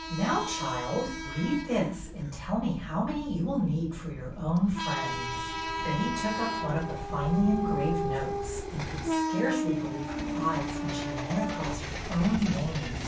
Now, child, read this and tell me how many you will need for your own friends." Betty took up one of the finely engraved notes and could scarcely believe her eyes when she ran across her own name.